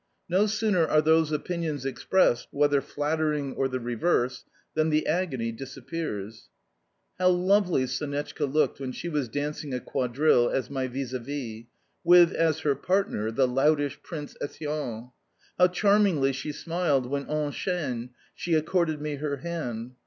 No sooner are those opinions expressed (whether flattering or the reverse) than the agony disappears. How lovely Sonetchka looked when she was dancing a quadrille as my vis a vis, with, as her partner, the loutish Prince Etienne! How charmingly she smiled when, en chaine, she accorded me her hand!